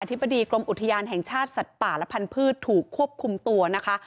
ธิบดีกรมอุทยานแห่งชาติสัตว์ป่าและพันธุ์ถูกควบคุมตัวนะคะ